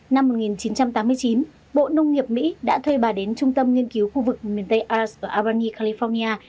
năm một nghìn chín trăm tám mươi chín bộ nông nghiệp mỹ đã thuê bà đến trung tâm nghiên cứu khu vực miền tây as ở albany california